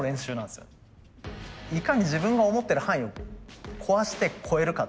いかに自分が思ってる範囲を壊して超えるか。